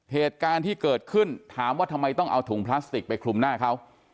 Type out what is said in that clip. เหตุการณ์ที่เกิดขึ้นถามว่าทำไมต้องเอาถุงพลาสติกไปคลุมหน้าเขา